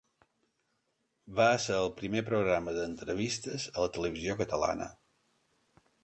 Va ésser el primer programa d'entrevistes a la televisió catalana.